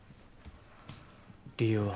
理由は？